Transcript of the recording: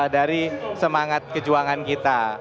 dari semangat kejuangan kita